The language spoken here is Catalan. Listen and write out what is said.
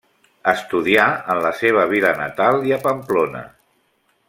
Estudià en la seva vila natal i a Pamplona.